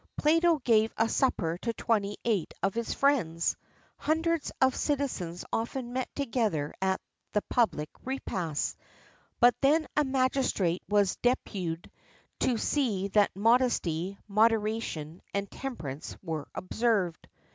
Plato gave a supper to twenty eight of his friends.[XXXIV 9] Hundreds of citizens often met together at the public repasts; but then a magistrate was deputed to see that modesty, moderation, and temperance were observed.